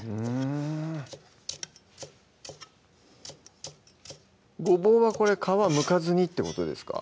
うんごぼうはこれ皮むかずにってことですか？